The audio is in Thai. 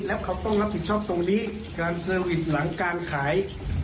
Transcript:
แล้วเขาต้องรับผิดชอบตรงนี้การเซอร์วิสหลังการขาย